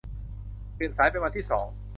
ตื่นสายเป็นวันที่สอง